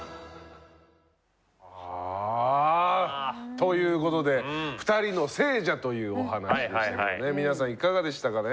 ということで「２人の聖者」というお話でしたけどね皆さんいかがでしたかね？